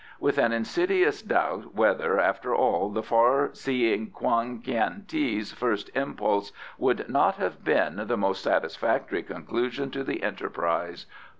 With an insidious doubt whether, after all, the far seeing Kwan Kiang ti's first impulse would not have been the most satisfactory conclusion to the enterprise.